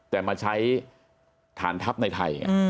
แต่มาใช้ฐานทัพในไทย